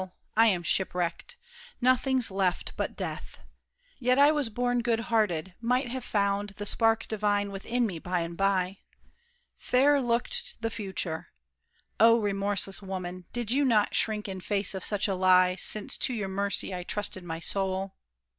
I am shipwrecked! Nothing's left but death. Yet I was born good hearted: might have found The spark divine within me by and by. Fair looked the future! Oh, remorseless woman, Did you not shrink in face of such a lie, Since to your mercy I trusted my soul?